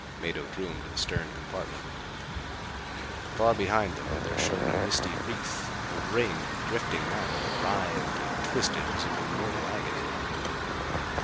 Mado drew him to the stern compartment. Far behind them there shone a misty wreath, a ring of drifting matter that writhed and twisted as if in mortal agony.